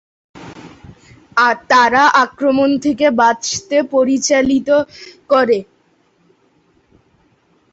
তারা আক্রমণ থেকে বাঁচতে পরিচালিত করে।